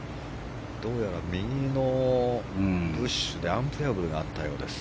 どうやら右のブッシュでアンプレヤブルがあったようです